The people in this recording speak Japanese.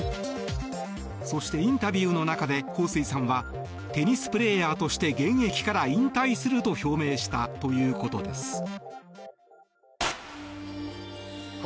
そして、インタビューの中でホウ・スイさんはテニスプレーヤーとして現役から引退すると表明したということです。